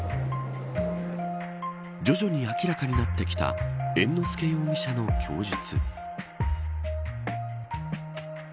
徐々に明らかになってきた猿之助容疑者の供述。